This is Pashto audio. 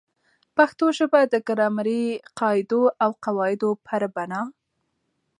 پښتو ژبه د ګرامري قاعدو او قوا عدو پر بناء